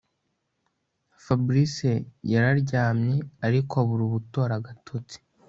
Fabric yararyamye ariko abura ubutora agatotsi